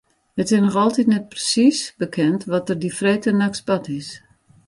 It is noch altyd net persiis bekend wat der dy freedtenachts bard is.